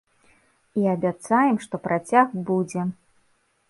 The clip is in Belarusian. І абяцаем, што працяг будзе!